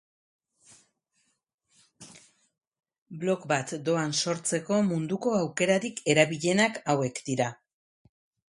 Blog bat doan sortzeko munduko aukerarik erabilienak hauek dira.